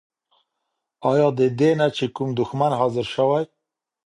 آيا ددينه چې کوم دشمن حاضر شوی؟